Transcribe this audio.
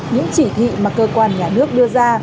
những chỉ thị mà cơ quan nhà nước đưa ra